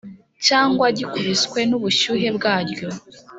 cyangwa gikubiswe n’ubushyuhe bwaryo.